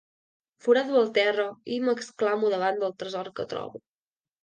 Forado el terra i m'exclamo davant del tresor que trobo.